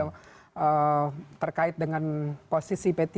yang terkait dengan posisi p tiga